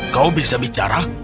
kau bisa bicara